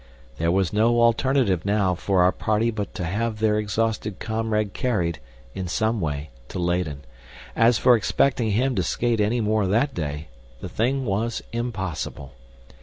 There was no alternative, now, for our party but to have their exhausted comrade carried, in some way, to Leyden. As for expecting him to skate anymore that day, the thing was impossible.